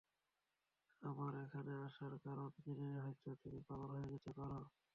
আমার এখানে আসার কারণ জেনে হয়তো তুমি পাগল হয়ে যেতে পারো।